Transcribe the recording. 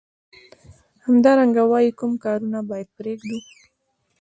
همدارنګه وايي کوم کارونه باید پریږدو.